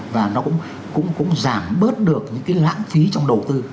và nó cũng giảm bớt được những cái lãng phí trong đầu tư